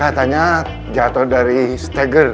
katanya jatoh dari stagger